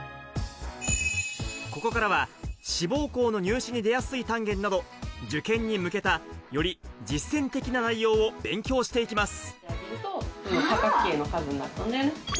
ここからは志望校の入試に出やすい単元など受験に向けた、より実践的な内容を勉強していきます。